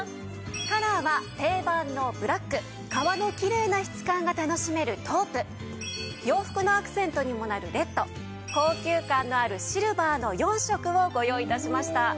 カラーは定番のブラック革のきれいな質感が楽しめるトープ洋服のアクセントにもなるレッド高級感のあるシルバーの４色をご用意致しました。